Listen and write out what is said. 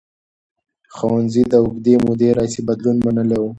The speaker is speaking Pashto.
ښوونځي د اوږدې مودې راهیسې بدلون منلی و.